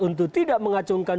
untuk tidak mengacungkan